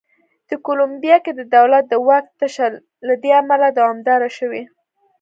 په کولمبیا کې د دولت د واک تشه له دې امله دوامداره شوې.